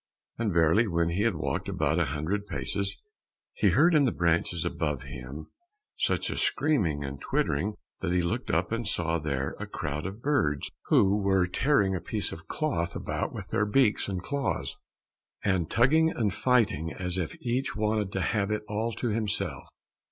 And verily when he had walked about a hundred paces, he heard in the branches above him such a screaming and twittering that he looked up and saw there a crowd of birds who were tearing a piece of cloth about with their beaks and claws, and tugging and fighting as if each wanted to have it all to himself.